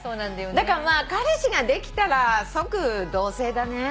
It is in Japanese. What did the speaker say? だから彼氏ができたら即同棲だね。